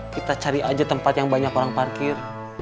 kita cari aja tempat yang banyak orang parkir